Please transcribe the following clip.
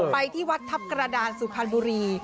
ไปที่วัดทัพกระดานสุพรรณบุรี